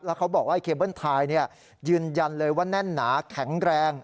แล้วเขาบอกว่าไอเคเบิ้ลไทยยืนยันเลยว่าแน่นหนาแข็งแรง